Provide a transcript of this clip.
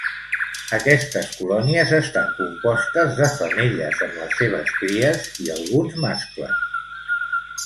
Aquestes colònies estan compostes de femelles amb les seves cries i alguns mascles.